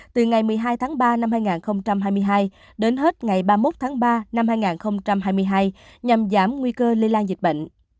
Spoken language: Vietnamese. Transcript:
từ ngày một mươi hai tháng ba năm hai nghìn hai mươi hai đến hết ngày ba mươi một tháng ba năm hai nghìn hai mươi hai nhằm giảm nguy cơ lây lan dịch bệnh